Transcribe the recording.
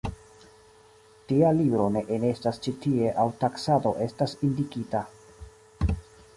Tia libro ne enestas ĉi tie aŭ taksado estas indikita.